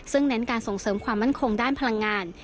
ซึ่งเน้นการส่งเสริมความมั่นคงด้านพลังงาน